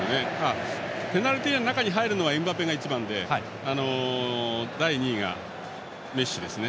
ペナルティーエリアの中に入るのはエムバペが一番で第２位がメッシですね。